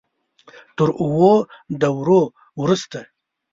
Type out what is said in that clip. تر اوو دورو وروسته.